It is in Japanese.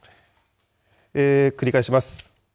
繰り返します。